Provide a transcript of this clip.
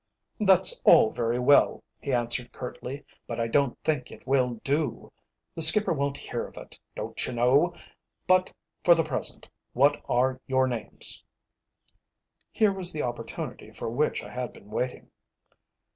"That's all very well," he answered curtly, "but I don't think it will do. The skipper wouldn't hear of it, don't you know. But for the present, what are your names?" Here was the opportunity for which I had been waiting.